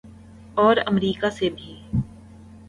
اور امریکہ سے بھی۔